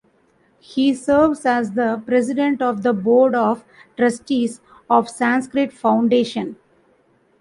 He serves as the President of the Board of Trustees of Sanskriti Foundation.